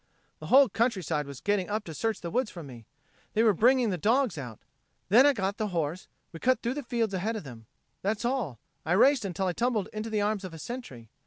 The whole countryside was getting up to search the woods for me. They were bringing the dogs out. Then I got the horse; we cut through the fields ahead of them. That's all. I raced until I tumbled into the arms of a Sentry."